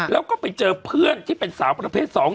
แล้วก็ไปเจอเพื่อนที่เป็นสาวประเภทสอง